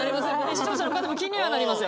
視聴者の方も気にはなります。